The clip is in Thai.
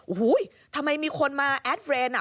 โอ้โหทำไมมีคนมาแอดเฟรนด์อ่ะ